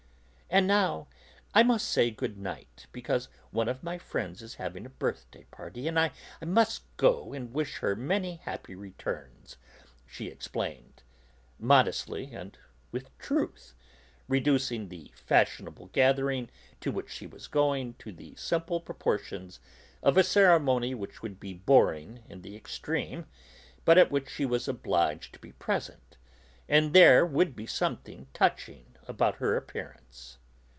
"And now I must say good night, because one of my friends is having a birthday party, and I must go and wish her many happy returns," she explained, modestly and with truth, reducing the fashionable gathering to which she was going to the simple proportions of a ceremony which would be boring in the extreme, but at which she was obliged to be present, and there would be something touching about her appearance.